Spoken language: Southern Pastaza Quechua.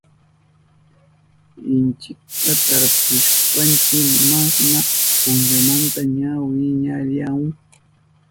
Inchikta tarpushpanchi masna punchamanta ña wiñarinahun.